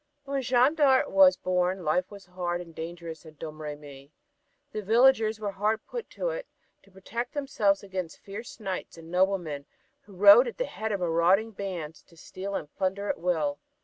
When Jeanne d'Arc was born life was hard and dangerous in Domremy. The villagers were hard put to it to protect themselves against fierce knights and noblemen who rode at the head of marauding bands to steal and plunder at will.